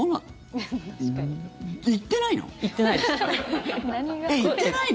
えっ、行ってないの？